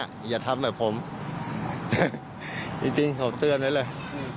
อย่าทำแบบผมจริงเขาเตือนไว้เลย